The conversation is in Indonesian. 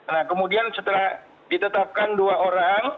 nah kemudian setelah ditetapkan dua orang